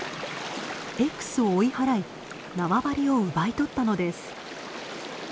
Ｘを追い払い縄張りを奪い取ったのです。